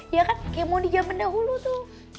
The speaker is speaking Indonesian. iya kan kayak mau di jaman dahulu tuh